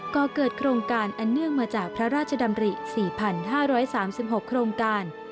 ก็เกิดโครงการอันเนื่องมาจากพระราชดำริ๔๕๓๖โครงการ